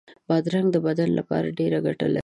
بادرنګ د بدن لپاره ډېره ګټه لري.